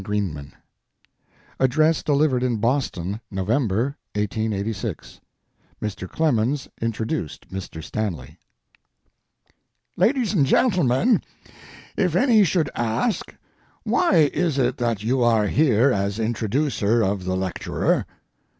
STANLEY ADDRESS DELIVERED IN BOSTON, NOVEMBER, 1886 Mr. Clemens introduced Mr. Stanley. LADIES AND GENTLEMEN, if any should ask, Why is it that you are here as introducer of the lecturer?